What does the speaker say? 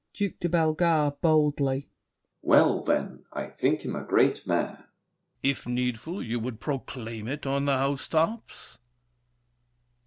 DUKE DE BELLEGARDE (boldly). Well, then, I think him a great man! THE KING. If needful You would proclaim it on the house tops?